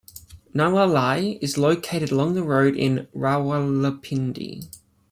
Nala Lai is located along the road in Rawalpindi.